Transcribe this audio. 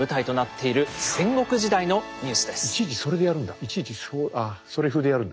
いちいちそれでやるんだ。